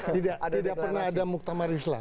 tidak pernah ada muktamar islah